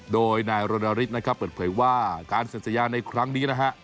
โดยนายรณฤทธิ์นะครับเปิดเผยว่าการเสร็จสัญญาในครั้งนี้นะฮะ